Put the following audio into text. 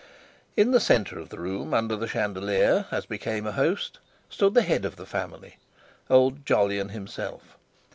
In the centre of the room, under the chandelier, as became a host, stood the head of the family, old Jolyon himself.